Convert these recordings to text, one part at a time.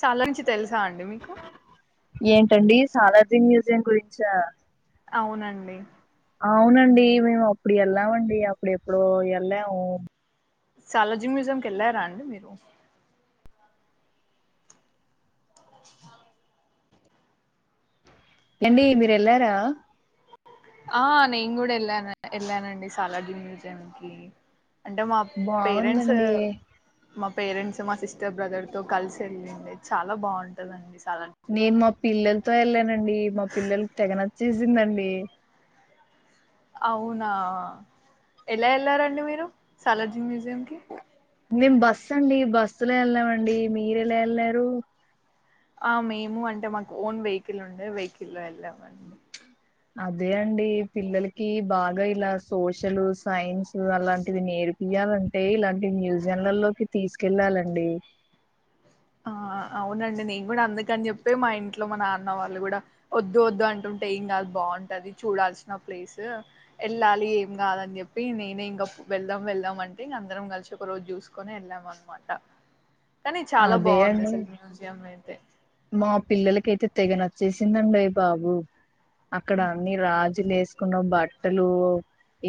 సాలరించి తెలుసా అండి మీకు ఏంటండి సాలది మ్యూజియం గురించా అవునండి అవునండి మేము అప్పుడు వెళ్ళామండి అప్పుడ ఎప్పుడో వెళ్ళాము సాలజింగ్ మ్యూజియం కి వెళ్ళారా అండి మీరు [inaudible] ఏండి మీరెళ్ళారా ఆ నేను కూడా వెళ్ళాను వెళ్ళానండి సాలడీ మ్యూజియం కి బాగుందండి మా పేరెంట్స్ మా సిస్టర్ బ్రదర్ తో కలిసి వెళ్ళిండి చాలా బాగుంటందండి నేను మా పిల్లలతో వెళ్ళానండి మా పిల్లలకి తెగ నా చేేసిందండి అవునా ఎలా వెళ్లారండి మీరు సాలజీ మ్యూ జంకి మేము బస్ అండి బస్సులో వెళ్ళమండి మీరు ఎలా వెళ్ళారు ఆ మేము అంటే మాకు ఓన్ వెహికల్ ఉండే వెహికల్ వెళ్ళామండి అదే అండి పిల్లలకి బాగా ఇలా సోషల్ సైన్స్ అలాంటివి నేర్పియాలంటే ఇలాంటి మ్యూజియంలలోకి తీసుకెళ్ళాలండి ఆ అవునండి నేను కూడా అందుకని చెప్పి మా ఇంట్లో మా నాన్న వాళ్ళు కూడా వద్దు వద్దు అంటుంటే ఏం కాదు బాగుంటది చూడాల్సిన ప్లేస్ ఏళ్ళాలి ఏం కాదని చెప్పి నేనే ఇంకా వెళ్దాం వెళ్దాం అంటే ఇంక అందరం కలిసి ఒక రోజు చూసుకొని వెళ్ళాం అనమాట కానీ చాలా అదే బాగుంది అండి అసల్ మ్యూజియం అయితే మా పిల్లల కి అయితే తెగ న చేసిందండియి బాబు అక్కడ అన్ని రాజ్ లేసుకున్న బట్టలు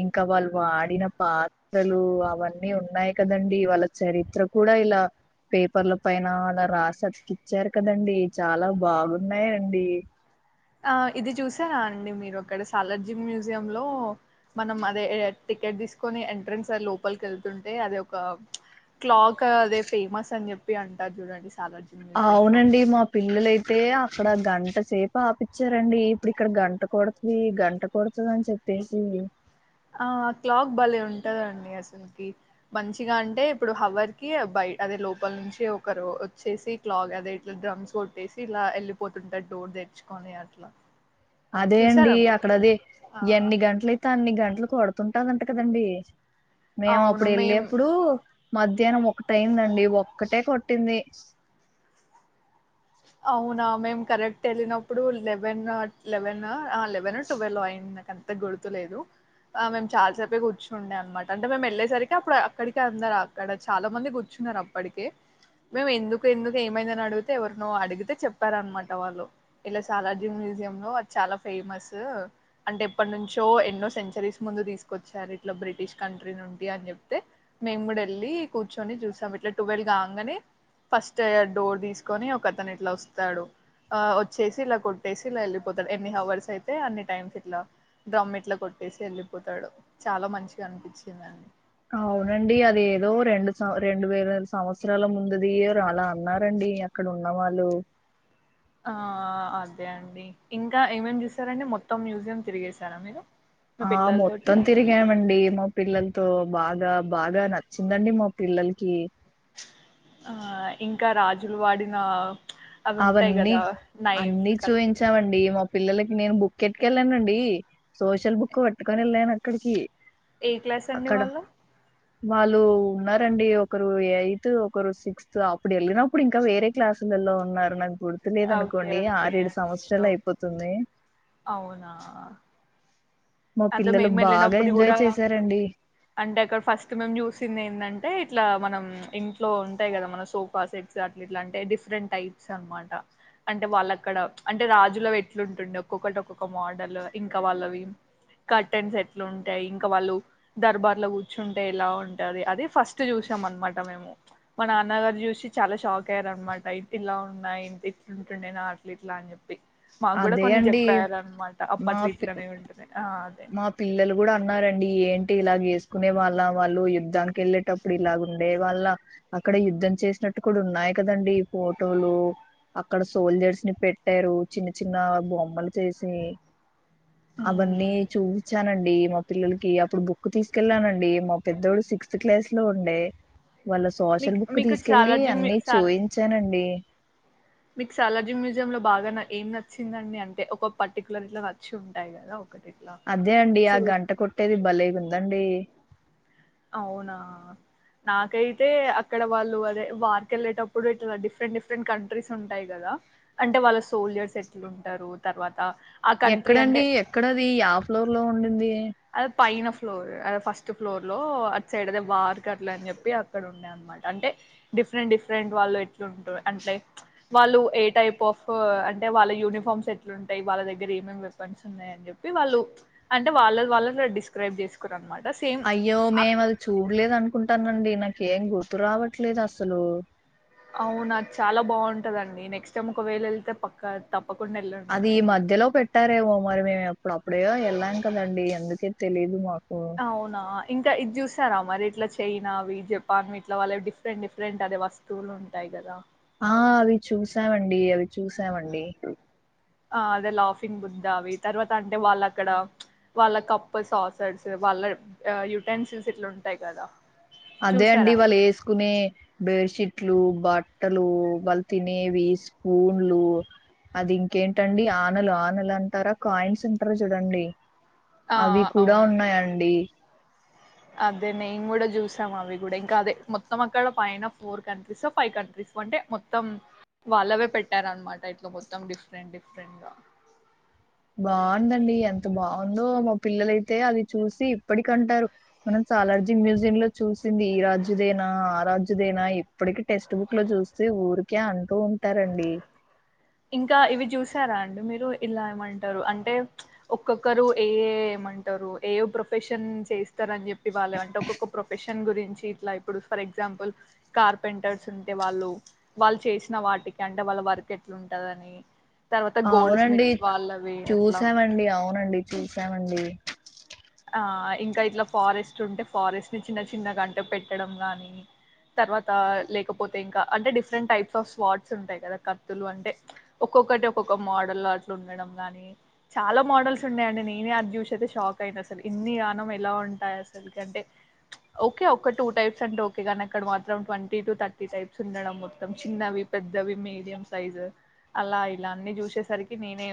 ఇంకా వాళ్ళు వాడిన పాత్రలు అవన్నీ ఉన్నాయి కదండి వాళ్ళ చరిత్ర కూడా ఇలా పేపర్ల పైన అలా రాసతికిచ్చారు కదండి చాలా బాగున్నాయండి ఆ ఇది చూసారా అండి మీరు అక్కడ సాలార్జీ మ్యూజియ లో మనం అదే టికెట్ తీసుకొని ఎంట్రెన్స్ లోపలికి వెళ్తుంటే అద ఒక క్లాక్ అదే ఫేమస్ అని చెప్పి అంటారు చూడండి సాలార్జంగ్ మ్యూజియం లో అవునండి మా పిల్లలయితే అక్కడ గంట సేపు ఆపిచ్చారండి ఇప్పుడు ఇక్కడ గంట కొడుతుది గంట కొడుతుంది అని చెప్పేసి ఆ క్లాగ భలే ఉంటదండి అసలుకి మంచిగా అంటే ఇప్పుడు హవర్ కి బయ అదే లోపల నుంచి ఒకరు వచ్చేసి క్లాగ్ అదే ఇలా డ్రమ్స్ కొట్టేసి ఇలా వెళ్ళిపోతుంటాడు డోర్ తెచ్చుకొని అట్లా అదే అండి చూసారా మీరు అక్కడ కూడా అదిే ఆ ఎన్ని గంటలయితే అన్ని గంటలు కొడుతుంటాదంట కదండీ మేము అవును అప్పుడు మేం వెళ్ళేప్పుడు మధ్యాహ్నం ఒకటయిందండి ఒక్కటే కొట్టింది అవునా మేము కరెక్ట్ వెళ్ళినప్పుడు లెవెన్ లెవెన్ లెవెన్ ట్వెల్వ్ అయింది నాక అంత గుర్తులేదు ఆ మేము చాలా సేపే కూర్చుండే అనమాట అంటే మేము వెళ్ళేసరికి అప్పుడు అక్కడిక అందారు అక్కడ చాలా మంది కూర్చున్నారు అప్పటికే మేము ఎందుకు ఎందుకు ఏమైందని అడిగితే ఎవరు అడిగితే చెప్పారనమాట వాళ్ళు ఇలా సాలార్జీ మ్యూజియం లో అది చాలా ఫేమస్ అంటే ఎప్పటి నుంచో ఎన్నో సెంచరీస్ ముందు తీసుకొచ్చారు ఇట్లా బ్రిటిష్ కంట్రీ నుండి అని చెప్తే మేము కూడా వెళ్ళి కూర్చొని చూసాం ఇట్లా ట్వెల్వ్ కాగానే ఫస్ట్ డోర్ తీసుకొని కతను ఇట్లా వస్తాడు ఆ వచ్చేసి ఇలా కొట్టేసి ఇలా వెళ్ళి పోతారు ఎన్ని హవర్స్ అయితే అన్ని టైమ్స్ ఇట్లా డ్రమ్ ఇట్లా కొట్టేసి వెళ్ళిపోతాడు చాలా మంచిగా అనిపించింది అండి అవునండి అది ఏదో రెండు సం రెండు వేల సంవత్సరాల ముందుది అలా అన్నారండి అక్కడ ఉన్నవాళ్ళు ఆ అదే అండి ఇంకా ఏమేం చూసారండి మొత్తం మ్యూజియం తిరిగేశారా మీరు మీ ఆ పిల్లలతోటి మొత్తం తిరిగామండి మా పిల్లలతో బాగా బాగా నచ్చిందండి మా పిల్లలకి ఆ ఇంకా రాజులు వాడిన అవి ఉంటాయి అవన్నీ కదా నైఫ్ అన్నిీ కత్తి చూపించామండి మొ పిల్లలకి నేను బుక్ ఎట్టుకెళ్ళానండి సోషల్ బుక్ పట్టుకొని వెళ్ళాను అక్కడికి ఏ క్లాస్ అండి అక్కడ వాళ్ళు వాళ్ళు ఉన్నారంండి ఒకరు ఎయిత్ ఒకరు సిక్స్త్ అప్పుడు వెళ్ళినప్పుడు ఇంకా వేరే క్లాసులలో ఉనారు ఓకే గుర్తులేదనుకోండి ఓకే ఆరు ఏడు అండి ఓ సంవత్సరాలు అయిపోతుంది మా అద పిల్లలు మేము బాగా వెళ్ళినప్పుడు ఎంజాయ్ కూడా చేశారండి అంటే అక్కడ ఫస్ట్ మేము చూసింది ఏందంటే ఇట్లా మనం ఇంట్లో ఉంటాయి కదా మన సోఫా సెట్స్ అలా ఇట్లా అంటే డిఫరెంట్ టైప్స్ అనమాట అంటే వాళ్ళ అక్కడ అంటే రాజుల ఎట్లుంటుండే ఒక్కొక్కటి ఒక్కొక్క మోడల్ ఇంకా వాళ్ళవి కట్ అండ్స్ ఎట్లు ఉంటాయి ఇంకా వాళ్ళు దర్బార్లో కూర్చుంటే ఎలా ఉంటది అది ఫస్ట్ చూసాం అనమాట మేము మా నాన్నగారు చూసి చాలా షాక్ అయ్యారునమాట ఇట్ ఇలా ఉన్నాయి ఇంత ఇట్లుంటుండే నా అట్లు ఇట్లా అని చెప్పి మాకు కూడా అదే కొన్ని అండి చెప్పయారునమాట అప్ప మా అట్లు పి ఇట్లనే ఉంటుంది ఆ అదే మా పిల్లలు కూడా అన్నారండి ఏంటి ఇలాగ వేసుకునే వాళ్ళ వాళ్ళు యుద్ధానికి వెళ్ళేటప్పుడు ఇలాగ ఉండే వాళ్ళ అక్కడ యుద్ధం చేసినట్టు కూడా ఉన్నాయి కదండడి ఫోటోలు అక్కడ సోల్జర్స్ ని పెట్టారు చిన్న చిన్న బొమ్మలు చేసి అవన్నీ ఉమ్. వచ్చానండి మా పిల్లలకి అప్పుడు బుక్ తీసుకెళ్లానండి మా పెద్దోడు సిక్స్త్ క్లాస్ లో ఉండే వాళ్ళ సోషల్ మీకు బుక్ మీకు తీసుకెళ్ళలి సాలార్జీ అని సాల చూయించానండి మీకు సాలార్జీ మ్యూజియం లో బాగా ఏం నచ్చిందండి అంటే ఒక పర్టికులర్ ఇట్లా నచ్చి ఉంటాయి కదా ఒకటి ఇట్లా అదే అండి ఆ చూ గంట కొట్టేది బలే ఉందండి అవునా నాకైతే అక్కడ వాళ్ళు అదే వార్ వెళ్ళేటప్పుడు ఇట్లా డిఫరెంట్ డిఫరెంట్ కంట్రీస్ ఉంటాయి కదా అంటే వాళ్ళ సోల్జర్స్ ఎట్లు ఉంటారు తర్వాత ఆ కంట్రీ అంటే ఎక్కడండి ఎక్కడది యా ఫ్లోర్ లో ఉండింది అ పైన ఫ్లోర్ ఫస్ట్ ఫ్లోర్ లో అటు సైడ్ అద వార్ కర్లు అని చెప్పి అక్కడ ఉండే అనమాట అంటే డిఫరెంట్ డిఫరెంట్ వాళ్ళు ఎట్లుంట అంటే వాళ్ళు ఏ టైప్ ఆఫ్ అంటే వాళ్ళ యూనిఫామ్స్ ఎట్లుంటాయి వాళ్ళ దగ్గర ఏమ వెపన్స్ ఉన్నాయ అని చెప్పి వాళ్ళు అంటే వాళ్ళ వాళ్లర డిస్క్రైబ్ చేసుకుర అనమాట సేమ్ అయ్యో మేము అది చూడలేదు అనుకుంటానండి నాకు ఏం గుర్తు రావట్లేదు అసలు అవు నాకు చాలా బాగుంటదండి నెక్స్ట్ టైం ఒకవేళ వెళ్తే పక్క తప్పు అది ఈ మధ్యలో పెట్టారేమో మరి మేము ఎప్పుడు అప్పుడేో వెళ్ళాం కదండి ఎందుకై తెలిదు మాకు అవునా ఇంకా ఇది చూసారా మరి ఇట్లా చైనావి జపాన్ ఇట్లా వాళ్ల డిఫరెంట్ డిఫరెంట్ అదే వస్తువులు ఉంటాయి కదా ఆ అవి చూసామండి అవి చూసామండి ఆ అదే లాఫింగ్ బుంద అవి తర్వాత అంటే వాళ్ళ అక్కడ వాళ్ళ కప్పు సాసస్ వాళ్ళ యయుటెన్సిల్స్ ఇట్లా ఉంటాయి కదా అదే చూసారా అండి అవి వాళ్ళు వేసుకునే బెడ్షీట్లు బాట్ బట్టలు వాళ్ళు తినేవి స్పూన్లు అది ఇంకేంటండి ఆనలు ఆనలు అంటారా కాయిన్స్ అంటారా చూడండి ఆ అవి కూడా అవునండి ఉన్నాయండి అదే నేం కూడా చూసాం అవి కూడా ఇంకా అదే మొత్తం అక్కడ పైన ఫోర్ కంట్రీస్ ఫైవ్ కంట్రీస్ అంటే మొత్తం వాళ్ళవే పెట్టార అనమాట ఇట్లా మొత్తం డిఫరెంట్ డిఫరెంట్గా బాగుందండి ఎంత బాగుందో మా పిల్లలైతే అది చూసి ఇప్పటికి అంటారు మనం చాలార్జీ మ్యూజియ లో చూసింది ఈ రాజ్యదేనా ఆ రాజ్యదేనా ఇప్పటికి టెక్స్ట్ బుక్ లో చూస్తే ఊరికే అంటూ ఉంటారండి ఇంకా ఇవి చూసారా అండి మీరు ఇలా ఏమంటారు అంటే ఒక్కొక్కరు ఏ ఏమంటారు ఏ ప్రొఫెషన్ చేస్తారు అని చెప్పి వాళ్ళు అంటే ఒక్కొక్క ప్రొఫెషన్ గురించి ఇట్లా ఇప్పుడు ఫర్ ఎగ్జాంపుల్ కార్పెంటర్స్ ఉంటే వాళ్ళు వాళ్ళు చేసిన వాటికి అంటే వాళ్ళ వర్క్ అట్లుంటాదని అవునండి చూసామండి అవునండి చూసామండి ఆ ఇంకా ఇట్లా ఫారెస్ట్ ఉంటే ఫారెస్ట్ ని చిన్న చిన్న గంట పెట్టడం గాని తర్వాత లేకపోతే ఇంకా అంటే డిఫరెంట్ టైప్స్ ఆఫ్ స్ర్డ్స్ ఉంటాయి కదా కత్తులు అంటే ఒక్కొక్కటి ఒక్కొక్క మోడల్ అట్లా ఉండడం గాని చాలా మోడల్స్ ఉన్నాయంండి నేనే అది చూసేతే షాక్ అయిన అ ఇన్ని రానం ఎలా ఉంటాయి అసలు అంటే ఓకే ఒ టూ టైప్స్ అంటే ఓకే కానీ అక్కడ మాత్రం ట్వంటీ టు థర్టీ టైప్స్ ఉండడం మొత్తం చిన్నవి పెద్దవి మీడియం సైజ్ అలా ఇలా అన్ని చూసేసరికి నేనే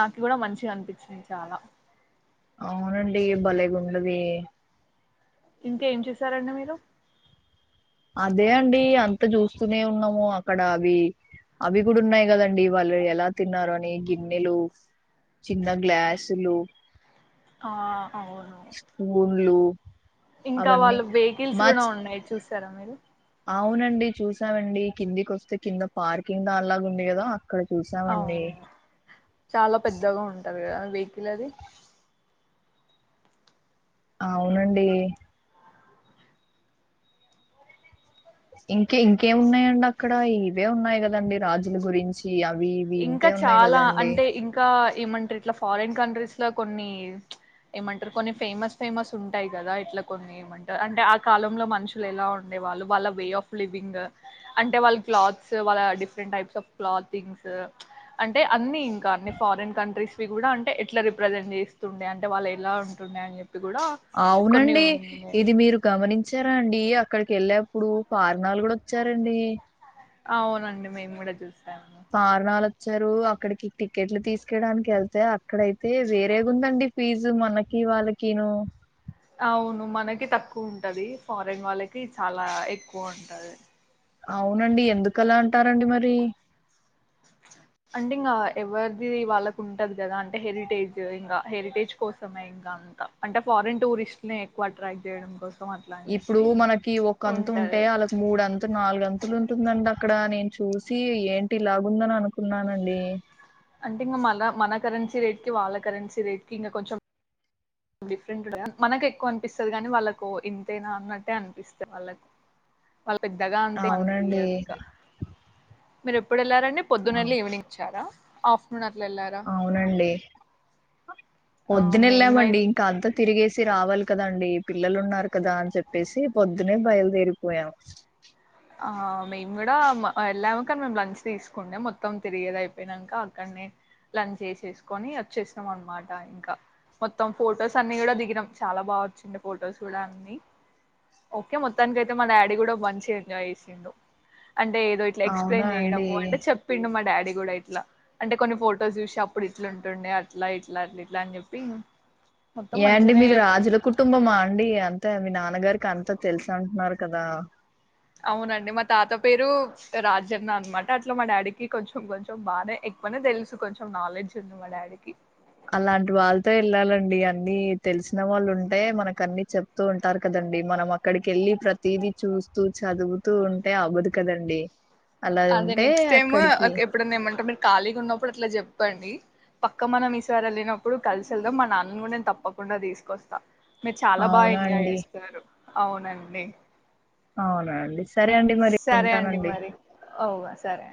నాకు కూడా మంచి అనిపించింది చాలా అవునండి బలేగుండది ఇంకేం చేసారండి మీరు అదే అండి అంత చూస్తూనే ఉన్నాము అక్కడ అవి అవి కూడా ఉన్నాయి కదండి వాళ్ళు ఎలా తిన్నారుర అని గిన్నెలు చిన్న గ్లాసులు [inaudible] ఆ అవును స్పూన్లు [inaudible] ఇంకా అవన్నీ వాళ్ళు వెహికల్స్ మా కూడా చ్- ఉన్నాయి చూసారా మీరు అవునండి చూసామండి కిందికి వస్తే కింద పార్కింగ్ దా అలాగా ఉంది కదా అక్కడ అవు చూసామండి చాలా పెద్దగా ఉంటది కదా వయిల అది అవునండి ఇంకా ఇంకేమి ఉన్నాయండి అక్కడవి ఇవే ఉన్నాయి కదండి రాజుల గురించి అవి ఇవి ఇంకా ఇంతే ఉన్నాయి చాలా కదండి అంటే ఇంకా ఏమంటారు ఇట్లా ఫారిన్ కంట్రీస్ ఇట్లా కొన్ని ఏమంటారు కొన్ని ఫేమస్ ఫేమస్ ఉంటాయి కదా ఇట్లా కొన్ని ఏమంటారు అంటే ఆ కాలంలో మనుషులు ఎలా ఉండే వాళ్ళు వాళ్ళ వే ఆఫ్ లివింగ్ అంటే వాళ్ళ క్లాత్స్ వాళ్ళ డిఫరెంట్ టైప్స్ ఆఫ్ క్లాతింగ్స్ అంటే అన్ని ఇంకా అన్ని ఫారిన్ కంట్రీస్ క కూడా అంటే ఎట్లా రిప్రజెంట్ చేస్తుండే అంటే వాళ్ళు ఎలా ఉంటుండే అని చెప్ప అవునండి ఇది మీరు గమనించ వచ్చారా అండి అక్కడికి వెళ్ళేప్పుడు ఫారనాలు కూడా వచ్చారండి అవునండి మేము కూడా చూస్తాం కారణాలు వచ్చారు అక్కడికి ట్లు తీసుకవయడానికి వెళ్తే ఇక్కడైతే వేరేగా ఉందండి ఫీజు మనకి వాళ్ళకిను అవును మనకి తక్కువ ఉంటది ఫారెన్ వాళ్ళకి చాలా ఎక్కువ ఉంటది అవునండి ఎందుకలా అంటారండి మరి అంటే ఇంకా ఎవరిది వాళ్ళకు ఉంటది కదా అంటే హెరిటేజ్ ఇంకా హెరిటేజ్ కోసమే ఇంకా అంత అంటే ఫారిన్ టూరిస్ట్ ని ఎక్కువ అట్రాక్ట్ చేయడం కోసం అట్లా అని ఇప్పుడు చెప్పి మనకి ఒక అంతు ఉంటే ఉంటది వాళ్ళకి మూడు అంతు నాలుగ అంతులు ఉంటుందం అక్కడ నేను చూసి ఏంటి లాగుందని అనుకున్నానండి అంటే ఇంకా మన మన కరెన్సీ రేట్ కి వాళ్ళ కరెన్సీ రేట్ కి ఇంకా కొంచెం డిఫరెంట్ మనకు ఎక్కువ అనిపిస్తుంది కానీ వాళ్ళకు ఇంతైనా అన్నట్టే అనిపిస్తంది వాళ్ళకు వాళ్ళ పెద్దగా అంతే అవునండి అనిపిది ఇంకా మీరు ఇప్పుడు వెళ్లారడి పొద్దున్నల్ళ అవ్- ఈవినింగ్ ఇచ్చారా ఆఫ్ మ అవునండి ఆ మేమై వొద్దునెళ్ళామండి ఇంక అంతా తిరిగేసి రావాలి కదండి పిల్లలు ఉన్నారు కదా అని చెప్పేసి పొద్దునే బయలుదేరిపోయాం ఆ మెంగూడ మ ఎళ్ళమ్ కన్ మేము్ తీస్కుండే మొత్తం తిరిగేది అయిపోయినంక అక్కడ్నే లంచ్ చేసేస్కొని వచ్చేసాం అనమాట ఇంకా. మొత్తం ఫొటోస్ అన్ని కూడా దిగినం చాలా బాగా వచ్చింది ఫొటోస్ కూడా అన్ని. ఓకే మొత్తాన్ కైతే మా డాడీ కూడా మంచి. జైసిండు అంటే ఏదో ఇట్లా అవునా ఎక్స్ప్లెయిన్ చేయడము అండి అంటే చెప్పిండు మా డాడ్ ది గుడ ఇట్ల అంటే కొన్ని ఫొటోస్ చూసే అప్పుడు ఇట్లాంటుండే అట్ల ఇట్ల అట్ల ఇట్ల అని చెప్పి మొత్తం ఏ అండి మంచిగానే మీది మొత్తం రాజుల కుటుంబమా అండి అంతే మీ నా న్నగారికి అంతా తెలుసు అంటున్నారు కదా అవునండి మా తాత పేరు రాజన్న అనమాట అట్ల మా డాడీకి కొంచం కొంచం బాగా ఎక్కువనే తెలుసు కొంచెం నాలెడ్జ్ ఉంది మా డాడీకి. అలాంటి వాళ్తో వెళ్ళాలండి అన్ని తెలిసిన వాళ్ళు ఉంటే మనక అన్ని చెప్తూ ఉంటారు కదండి మనం అక్కడికి ఎళ్ళి ప్రతిదీ చూస్తూ చదువుతూ ఉంటే అవ్వదు కదండి అదే నెక్స్ట్ టైమ్ ఎప్పుడున్నా ఏమంటే మీరు ఖాళీగా ఉన్నప్పుడు అట్ల చెప్పండి పక్క మనం ఈసారి ఎళ్ళినప్పుడు కలిసి ఎళ్దాం మా నాన్నన్ కుడ నేన్ తప్పకుండా తీసుకొస్తా మీరు చాలా బాగా అవునా ఎంజాయ్ అండి. చేస్తారు అవునండి అవునండి సరే అండి మరి అవు సరే